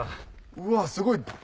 うわすごい。